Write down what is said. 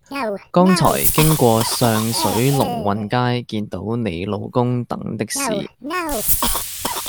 剛才經過上水龍運街見到你老公等的士